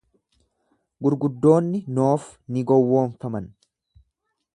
Gurguddoonni Noof ni gowwoofaman.